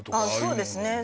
そうですね。